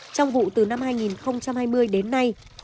trong vụ từ năm hai nghìn hai mươi đến nay